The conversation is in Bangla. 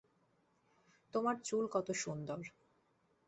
তোমার চুল কত সুন্দর!